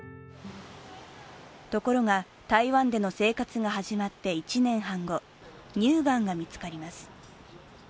ところが、台湾での生活が始まって１年半後、乳がんが見つかります。